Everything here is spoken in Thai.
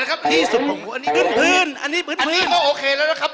อันนี้ก็โอเคแล้วนะครับ